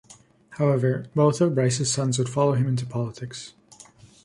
However, both of Brice's sons would follow him into politics.